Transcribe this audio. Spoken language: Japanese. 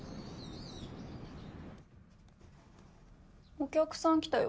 お客さん来たよ。